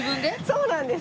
そうなんです。